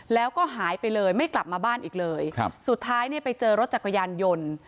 แล้วก็หายไปเลยไม่กลับมาบ้านอีกเลยครับสุดท้ายเนี่ยไปเจอรถจักรยานยนต์